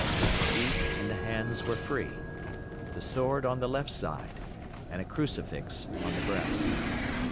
The feet and the hands were free; the sword on the left side, and a crucifix on the breast.